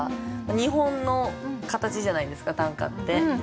日本の形じゃないですか短歌って。